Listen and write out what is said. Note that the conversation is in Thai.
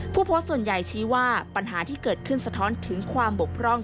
ผู้โพสต์ส่วนใหญ่ชี้ว่าปัญหาที่เกิดขึ้นสะท้อนถึงความบกพร่อง